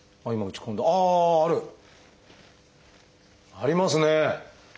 ありますね。